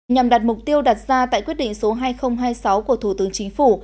nhằm đạt mục tiêu đặt ra tại quyết định số hai nghìn hai mươi sáu của thủ tướng chính phủ